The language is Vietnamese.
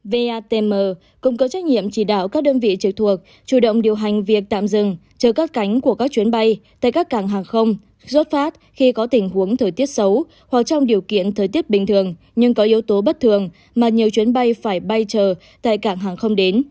vatm cũng có trách nhiệm chỉ đạo các đơn vị trực thuộc chủ động điều hành việc tạm dừng chờ cất cánh của các chuyến bay tại các cảng hàng không xuất phát khi có tình huống thời tiết xấu hoặc trong điều kiện thời tiết bình thường nhưng có yếu tố bất thường mà nhiều chuyến bay phải bay chờ tại cảng hàng không đến